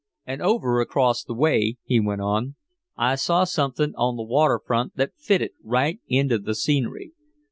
"And over across the way," he went on, "I saw something on the waterfront that fitted right into the scenery.